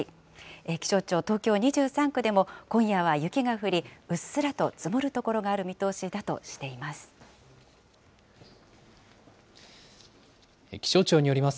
気象庁、東京２３区でも今夜は雪が降り、うっすらと積もる所がある見通しだとしています。